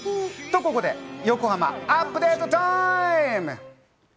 と、ここで横浜アップデートタイム！